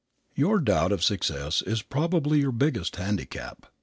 Your doubt of your success is probably your biggest handicap.